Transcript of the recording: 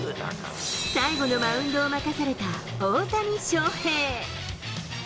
最後のマウンドを任された大谷翔平。